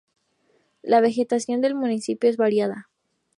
La vegetación del municipio es variada.